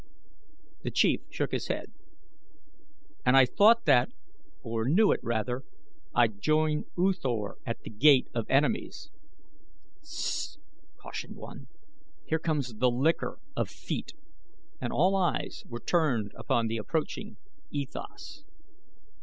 The chief shook his head. "And I thought that, or knew it, rather; I'd join U Thor at The Gate of Enemies." "S s st," cautioned one; "here comes the licker of feet," and all eyes were turned upon the approaching E Thas.